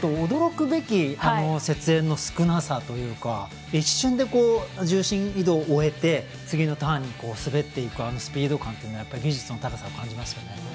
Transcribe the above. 驚くべき雪煙の少なさというか一瞬で重心移動を終えて次のターンに滑っていくあのスピード感というのは技術の高さを感じますよね。